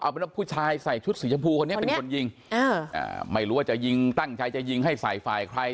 เป็นว่าผู้ชายใส่ชุดสีชมพูคนนี้เป็นคนยิงไม่รู้ว่าจะยิงตั้งใจจะยิงให้ใส่ฝ่ายใคร